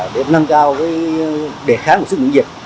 để nâng cao để kháng một sức nguyện dịch